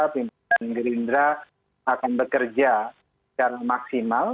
pimpinan gerindra akan bekerja secara maksimal